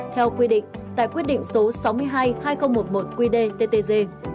theo quy định tại quyết định số sáu mươi hai hai nghìn một mươi một qdttg